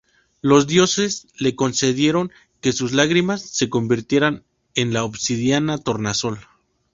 Los dioses le concedieron que sus lágrimas se convirtieran en la obsidiana tornasol.